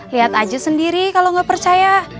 lihat aja sendiri kalau nggak percaya